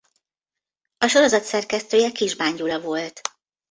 A sorozat szerkesztője Kisbán Gyula volt.